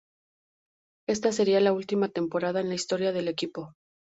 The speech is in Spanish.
Esta sería la última temporada en la historia del equipo.